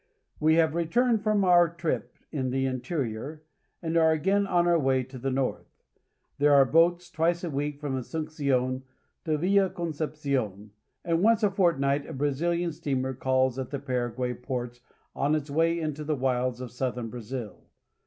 WE have returned from otir trip in the interior and are again on our way to the north. There are boats twice a week from Asuncion to Villa Concepcion, and once a fortnight a Brazilian steamer calls at the Paraguay ports on its way into the wilds of southern Brazil.